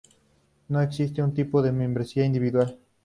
No existe un tipo de membresía individual.